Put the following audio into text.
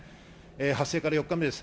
発生から４日目です。